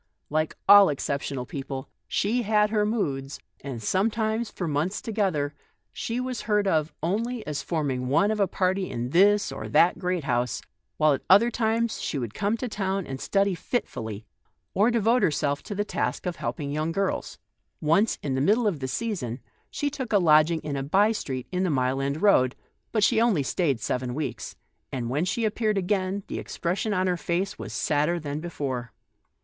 Like all exceptional people, she had her moods, and sometimes, for months together, she was heard of only as forming one 58 THE 8T0RT OF A MODERN WOMAN. of a party in this or that great country house, while at other times she would come to town and study fitfully, or devote herself to the task of helping young girls. Once, in the middle of the season, she took a lodging in a by street in the Mile End Road, but she only stayed seven weeks, and when she appeared again, the expression on her face wa* T sadder than before.